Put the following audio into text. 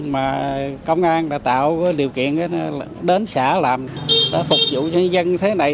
mà công an đã tạo điều kiện đến xã làm đã phục vụ cho dân thế này